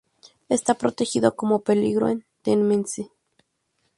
Está protegido como peligro en Tennessee.